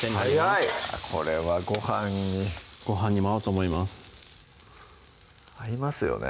早いこれはごはんにごはんにも合うと思います合いますよね